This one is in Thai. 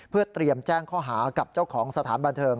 เพื่อเตรียมแจ้งข้อหากับเจ้าของสถานบันเทิง